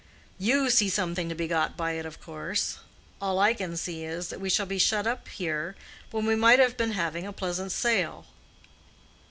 You see something to be got by it, of course. All I can see is, that we shall be shut up here when we might have been having a pleasant sail."